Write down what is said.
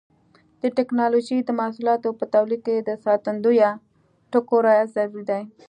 د ټېکنالوجۍ د محصولاتو په تولید کې د ساتندویه ټکو رعایت ضروري دی.